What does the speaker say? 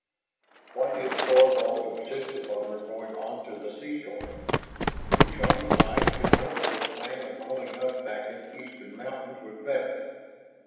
Why did Thorvald insist upon their going on to the seashore? To Shann's mind his own first plan of holing up back in the eastern mountains was better.